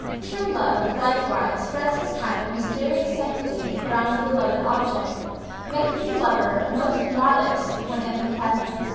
True love, likewise, spreads this kind of mysterious sanctity round the beloved object, making the lover most modest when in her presence.